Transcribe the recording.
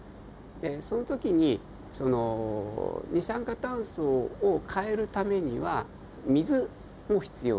でその時に二酸化炭素を変えるためには水も必要で。